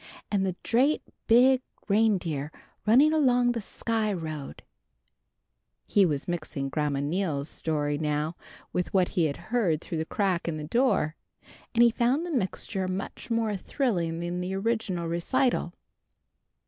An' the drate big reindeer runned along the Sky Road" he was mixing Grandma Neal's story now with what he had heard through the crack in the door, and he found the mixture much more thrilling than the original recital.